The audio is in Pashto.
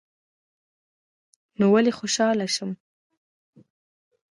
نو ولي خوشحاله شم